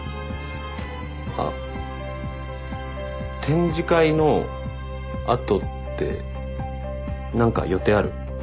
あ展示会の後って何か予定ある？